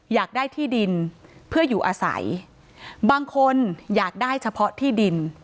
อยากได้ที่ดินเพื่ออยู่อาศัยบางคนอยากได้เฉพาะที่ดิน